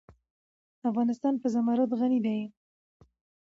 افغانستان په زمرد غني دی.